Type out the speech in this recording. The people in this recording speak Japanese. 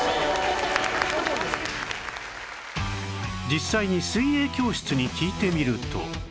実際に水泳教室に聞いてみると